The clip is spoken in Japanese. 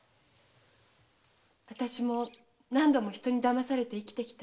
私も何度も人に騙されて生きてきた。